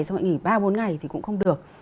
xong lại nghỉ ba bốn ngày thì cũng không được